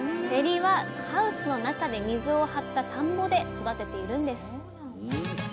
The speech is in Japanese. せりはハウスの中で水を張った田んぼで育てているんです